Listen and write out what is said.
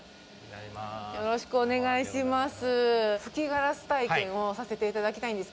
よろしくお願いします。